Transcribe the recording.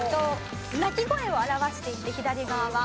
鳴き声を表していて左側は。